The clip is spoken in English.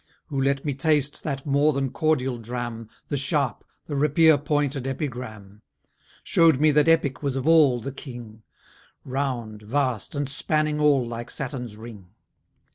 Who let me taste that more than cordial dram, The sharp, the rapier pointed epigram? Shew'd me that epic was of all the king, Round, vast, and spanning all like Saturn's ring?